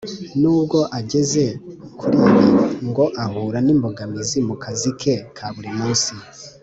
N’ubwo ageze kuri ibi, ngo ahura n’imbogamizi mu kazi ke ka buri munsi.